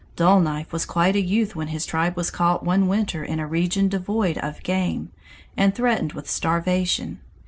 Dull Knife was quite a youth when his tribe was caught one winter in a region devoid of game, and threatened with starvation.